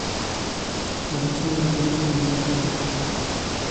په افغانستان کې د د کلیزو منظره تاریخ اوږد دی.